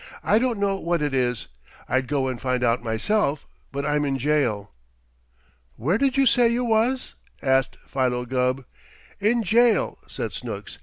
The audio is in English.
"I don't know what it is. I'd go and find out myself, but I'm in jail." "Where did you say you was?" asked Philo Gubb. "In jail," said Snooks.